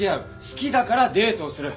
好きだからデートをする。